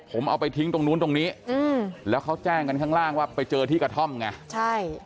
ผมเอาไปทิ้งตรงนู้นตรงนี้อืมแล้วเขาแจ้งกันข้างล่างว่าไปเจอที่กระท่อมไงใช่